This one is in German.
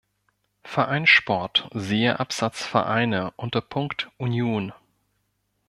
Vereinssport siehe Absatz "Vereine" unter Punkt 'Union'.